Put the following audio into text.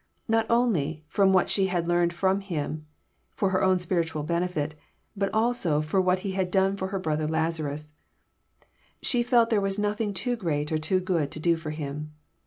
Not only from what she had learned f^om Him for her own spiritual bene fit, but also for what He had done for her brother Lazarus, she felt there was nothing too great or too good to do for Him.